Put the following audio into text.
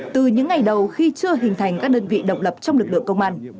từ những ngày đầu khi chưa hình thành các đơn vị độc lập trong lực lượng công an